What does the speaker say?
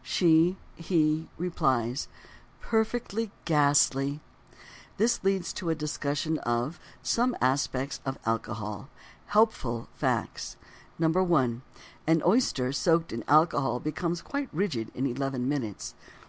She (he) replies: "Perfectly ghastly." This leads to a discussion of: Some Aspects of Alcohol. Helpful Facts: 1. An oyster soaked in alcohol becomes quite rigid in eleven minutes.